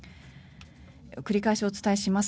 繰り返しお伝えします。